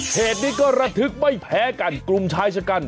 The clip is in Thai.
เหตุนี้ก็ระทึกไม่แพ้กันกลุ่มชายชะกัน